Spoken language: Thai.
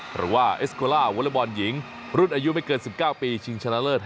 เพราะว่าเอสโคล่าวอเลอร์บอลหญิงรุ่นอายุไม่เกิน๑๙ปีชิงชนะเลิศแห่งเอเชียตะวันออกเชียงใต้ครั้งที่๑๙รอบ